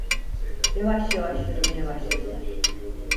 Yavaş yavaş yürümeye başladılar.